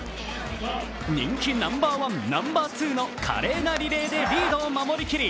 人気ナンバーワン、ナンバーツーの華麗なリレーでリードを守り切り